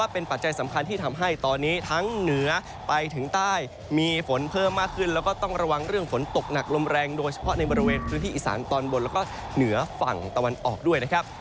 ไปถึงใต้มีฝนเพิ่มมากขึ้นแล้วก็ต้องระวังเรื่องฝนตกหนักลมแรงโดยเฉพาะในบริเวณพื้นที่อิสานตอนบนแล้วก็เหนือฝั่งตะวันออกด้วยนะครับ